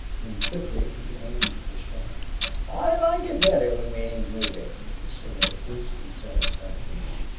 Then quickly he aimed the shot. "I loike it better whin we ain't movin'," he soliloquized, with satisfaction.